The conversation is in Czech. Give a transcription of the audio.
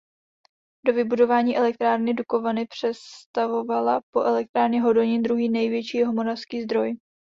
Do vybudování elektrárny Dukovany představovala po elektrárně Hodonín druhý největší jihomoravský zdroj.